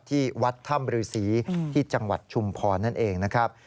ที่วัดถ้ำฤษีที่จังหวัดชุมพรนั่นเองนะครับ